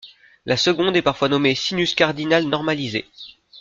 La seconde est parfois nommée sinus cardinal normalisé.